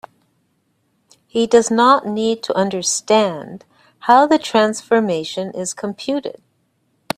He does not need to understand how the transformation is computed.